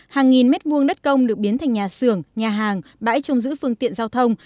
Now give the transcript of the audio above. hàng nghìn mét vuông đất công được biến thành nhà xưởng nhà hàng bãi trông giữ phương tiện giao thông